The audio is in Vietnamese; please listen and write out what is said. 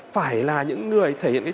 phải là những người thể hiện